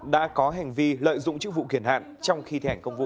đã có hành vi lợi dụng chức vụ kiển hạn trong khi thi hành công vụ